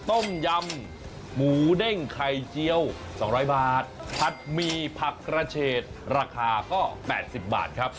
ต้มยำหมูเด้งไข่เจียว๒๐๐บาทผัดหมี่ผักกระเฉดราคาก็๘๐บาทครับ